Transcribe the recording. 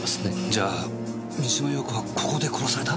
じゃあ三島陽子はここで殺された？